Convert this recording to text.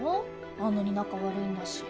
あんなに仲悪いんだし。